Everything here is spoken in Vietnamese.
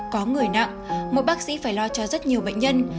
có người nặng một bác sĩ phải lo cho rất nhiều bệnh nhân